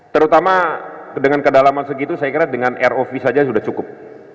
terutama dengan kedalaman segitu saya kira dengan rov saja sudah cukup